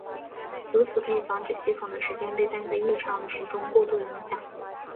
如此可以防止系统的时间被单个异常的时钟过度影响。